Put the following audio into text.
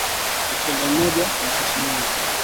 Mchele moja mapishi mengi